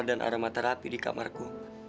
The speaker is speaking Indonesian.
dan aroma terapi di kamarku